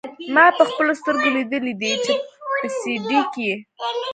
ما پخپلو سترګو ليدلي دي په سي ډي کښې.